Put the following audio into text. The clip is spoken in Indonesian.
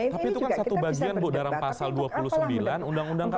tapi itu kan satu bagian bu dalam pasal dua puluh sembilan undang undang kpk